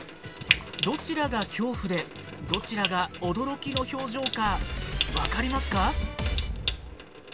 どちらが恐怖でどちらが驚きの表情か分かりますか？